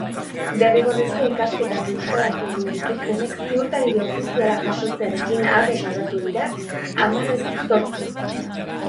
Derrigorrezko ikasketak euskaraz egin dituztenek ziurtagiri ofiziala jasotzearekin ados agertu dira hamarretik zortzi.